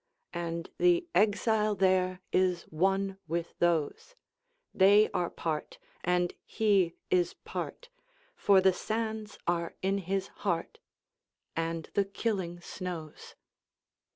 And the exile thereIs one with those; They are part, and he is part, For the sands are in his heart, And the killing snows.